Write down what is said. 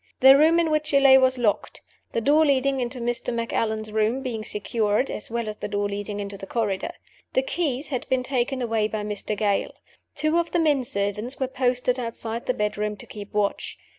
The room in which she lay was locked; the door leading into Mr. Macallan's room being secured, as well as the door leading into the corridor. The keys had been taken away by Mr. Gale. Two of the men servants were posted outside the bedroom to keep watch.